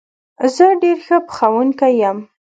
زه ډېر ښه پخوونکی یم